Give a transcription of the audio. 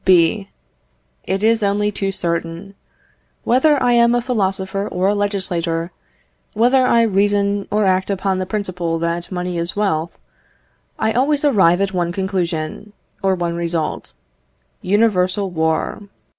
B. It is only too certain. Whether I am a philosopher or a legislator, whether I reason or act upon the principle that money is wealth, I always arrive at one conclusion, or one result: universal war.